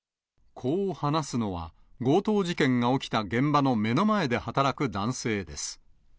こう話すのは、強盗事件が起きた現場の目の前で働く男性です。